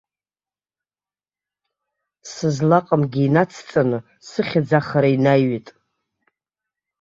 Сызлаҟамгьы инацҵаны, сыхьӡ ахара инаҩит.